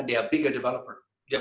mereka adalah developer yang lebih besar